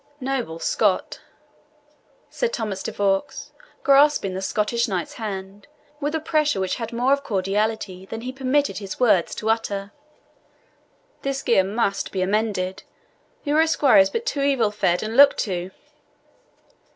"Noble Scot," said Thomas de Vaux, grasping the Scottish knight's hand, with a pressure which had more of cordiality than he permitted his words to utter, "this gear must be amended. Your esquire is but too evil fed and looked to."